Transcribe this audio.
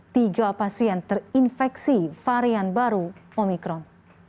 tiga pasien terinfeksi varian baru omikron